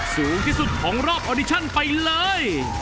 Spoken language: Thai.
สูงที่สุดของรอบออดิชั่นไปเลย